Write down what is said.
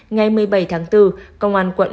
ngày một mươi bảy tháng bốn công an quận